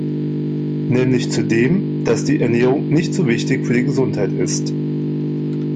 Nämlich zu dem, dass die Ernährung nicht so wichtig für die Gesundheit ist.